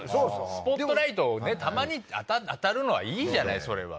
スポットライトたまに当たるのはいいじゃないそれは。